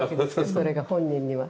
それが本人には。